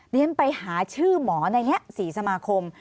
ดิฉันไปหาชื่อหมอในสี่สมาคม